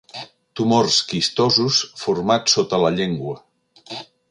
Tumors quistosos formats sota la llengua.